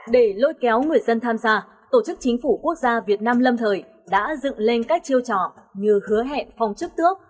để lôi kéo người dân tham gia tổ chức chính phủ quốc gia việt nam lâm thời đã dựng lên các chiêu trò như hứa hẹn phòng chức tước